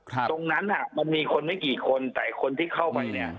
ตรงนั้นอ่ะมันมีคนไม่กี่คนแต่คนที่เข้าไปเนี่ย